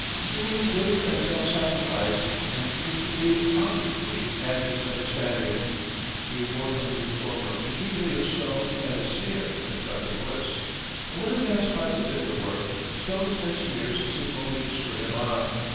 It means labor and self sacrifice, and frequently obloquy and misunderstanding. The reward of the reformer is usually a stone and a sneer, if nothing worse. But when a man's heart is in the work, stones and sneers seem only to spur him on.